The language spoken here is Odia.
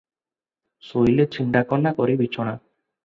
ଶୋଇଲ ଛିଣ୍ଡାକନା କରି ବିଛଣା-- ।